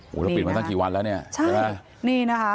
โหเราปิดมาตั้งกี่วันแล้วเนี่ย